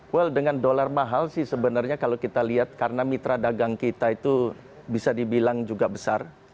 well dengan dolar mahal sih sebenarnya kalau kita lihat karena mitra dagang kita itu bisa dibilang juga besar